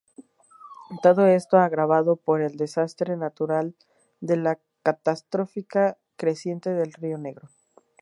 Todo esto agravado por el desastre natural de la catastrófica creciente del Río Negro.